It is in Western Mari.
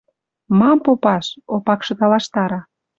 «Мам попаш! — Опакшы талаштара. —